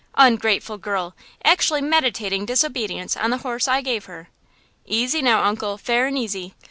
"Ungrateful girl; actually meditating disobedience on the horse I gave her!" "Easy now, uncle–fair and easy.